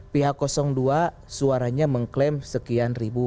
pihak dua suaranya mengklaim sekian ribu